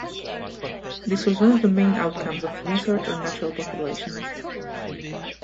This was one of the main outcomes of research on natural populations.